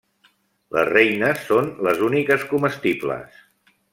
Les reines són les úniques comestibles.